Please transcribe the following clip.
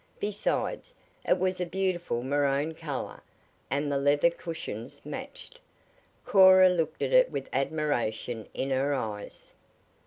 Besides, it was a beautiful maroon color, and the leather cushions matched. Cora looked at it with admiration in her eyes.